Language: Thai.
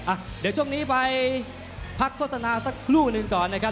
อ่ะเดี๋ยวช่วงนี้ไปพักโฆษณาสักครู่หนึ่งก่อนนะครับ